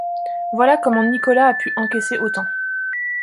Voilà comment Nicolas a pu encaisser autant.